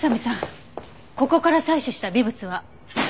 ここから採取した微物は？